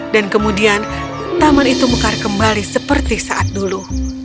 dan kemudian taman itu muka kembali seperti saat dulu